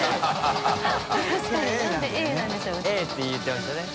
Ａって言ってましたね。